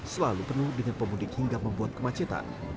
selalu penuh dengan pemudik hingga membuat kemacetan